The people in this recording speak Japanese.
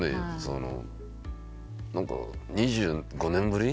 何か２５年ぶり？